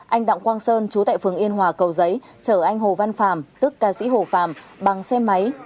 anh đọng quang sơn trú tại phường yên hòa cầu giấy chở anh hồ văn phàm tức ca sĩ hồ phàm bằng xe máy